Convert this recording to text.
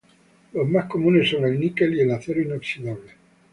Los más comunes son el níquel y el acero inoxidable.